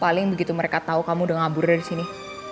paling begitu mereka tahu kamu udah ngabur dari sini